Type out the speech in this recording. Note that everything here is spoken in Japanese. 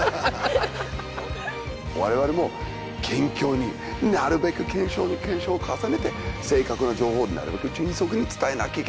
我々も謙虚になるべく検証に検証を重ねて正確な情報をなるべく迅速に伝えなきゃいけないと思ったんですね。